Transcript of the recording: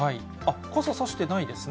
傘差してないですね。